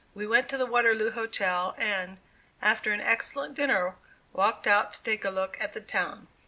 We went to the Waterloo Hotel, and, after an excellent dinner, walked out to take a look at the town.